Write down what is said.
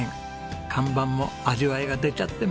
看板も味わいが出ちゃってまあ。